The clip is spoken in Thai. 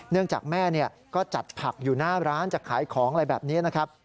จากแม่ก็จัดผักอยู่หน้าร้านจะขายของอะไรแบบนี้นะครับ